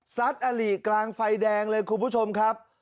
ซัดอาหรี่กลางไฟแดงเลยคุณผู้ชมครับ